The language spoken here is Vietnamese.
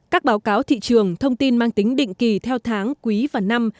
các báo cáo thị trường thông tin mang tính định kỳ theo tháng quý và năm